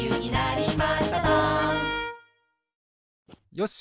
よし！